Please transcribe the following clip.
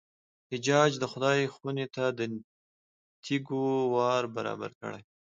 حجاج د خدای خونې ته د تېږو وار برابر کړی.